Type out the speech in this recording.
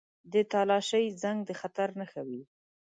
• د تالاشۍ زنګ د خطر نښه وي.